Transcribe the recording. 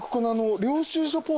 領収書ポーチ。